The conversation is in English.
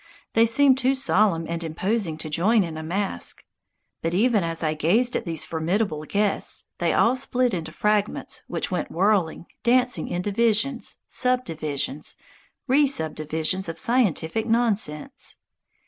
They seemed too solemn and imposing to join in a masque. But even as I gazed at these formidable guests, they all split into fragments which went whirling, dancing in divisions, subdivisions, re subdivisions of scientific nonsense!